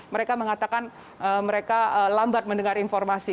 mereka mengatakan mereka lambat mendengar informasi